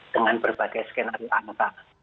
dengan berbagai skenario anta